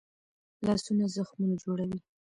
لاسونه زخمونه جوړوي